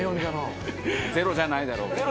ゼロじゃないだろうけど。